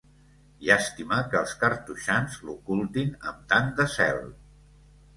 Llàstima que els cartoixans l'ocultin amb tant de zel.